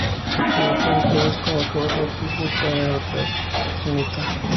Jugó para clubes como el Kawasaki Frontale y Oita Trinita.